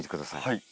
はい。